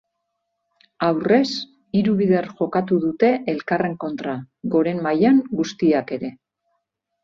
Aurrez, hiru bider jokatu dute elkarren kontra, goren mailan guztiak ere.